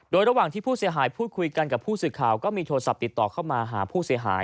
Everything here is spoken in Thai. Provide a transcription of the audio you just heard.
โดยระหว่างที่ผู้เสียหายพูดคุยกันกับผู้สื่อข่าวก็มีโทรศัพท์ติดต่อเข้ามาหาผู้เสียหาย